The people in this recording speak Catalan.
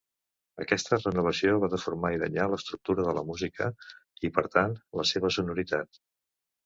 Aquesta renovació va deformar i danyar l'estructura de la música i, per tant, la seva sonoritat.